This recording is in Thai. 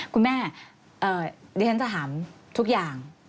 คุณแม่ดิฉันจะถามทุกอย่าง